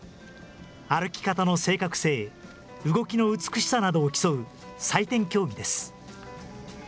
歩き方の正確性、動きの美しさなどを競う採点競技です。